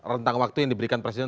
rentang waktu yang diberikan presiden